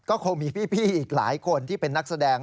ก็คงมีพี่อีกหลายคนที่เป็นนักแสดง